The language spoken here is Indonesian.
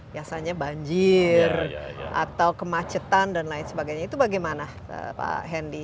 biasanya banjir atau kemacetan dan lain sebagainya itu bagaimana pak hendy